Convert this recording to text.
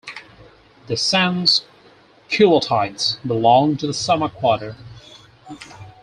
The Sansculottides belong to the summer quarter.